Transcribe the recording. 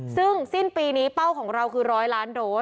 ซึ่งสิ้นปีนี้เป้าของเราคือ๑๐๐ล้านโดส